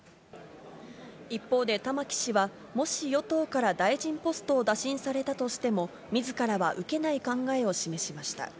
一方で玉木氏は、もし、与党から大臣ポストを打診されたとしても、みずからは受けない考えを示しました。